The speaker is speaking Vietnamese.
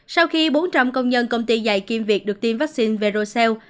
sau khi bốn trăm linh công nhân công ty dạy kiêm việc được tiêm vaccine verocell